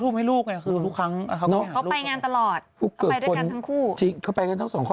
ไปอ่านที่อีกแล้วเหรอ